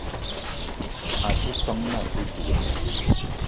A te ton na àte duga